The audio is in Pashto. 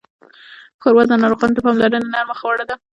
ښوروا د ناروغانو د پاملرنې نرمه خواړه ده.